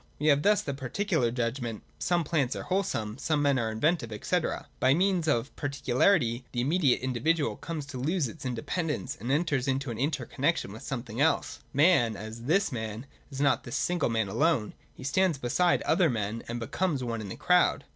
We have thus the particular judgment (some plants are wholesome, some men are inventive, &c.). By means of particularity the immediate individual comes to lose its inde pendence, and enters into an inter connexion with something 175.176.] JUDGMENTS OF REFLECTION. 309 else. Man, as this man, is not this single man alone : he stands beside other men and becomes one in the crowd.